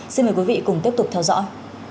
xin mời quý vị cùng tiếp tục theo dõi